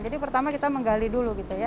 jadi pertama kita menggali dulu gitu ya